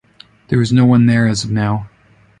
There is no one there as of now.